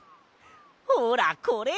ほらこれ。